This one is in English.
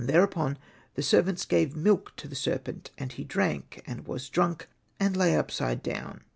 Thereupon the servants gave milk to the serpent, and he drank, and was drunk, and lay upside down.